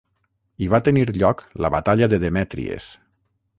Hi va tenir lloc la Batalla de Demètries.